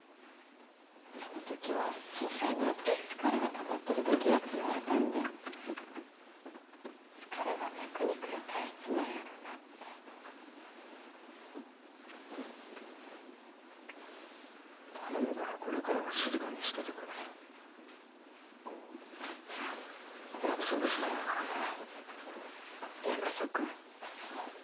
そのときは震災のあとで疲れがたまってるだけやと言われたんで疲れが脈にくる体質なんやろなって頼むからこれからは静かにしててくれ約束したんやからの約束？